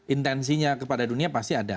intensinya kepada dunia pasti ada